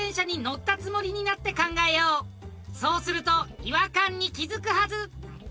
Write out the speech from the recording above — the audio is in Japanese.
そうすると違和感に気付くはず！